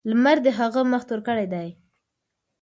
لمر د هغه مخ تور کړی دی.